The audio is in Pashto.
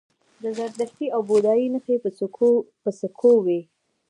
د زردشتي او بودايي نښې په سکو وې